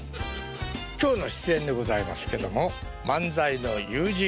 今日の出演でございますけども漫才のＵ字工事さん。